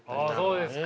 そうですか。